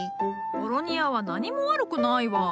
ボロニアは何も悪くないわい。